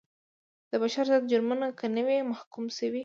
د بشر ضد جرمونو کې نه وي محکوم شوي.